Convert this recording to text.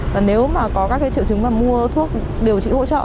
và nếu mà có các cái triệu chứng mà mua thuốc điều trị hỗ trợ